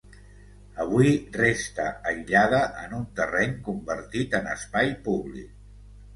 Avui resta aïllada en un terreny convertit en espai públic.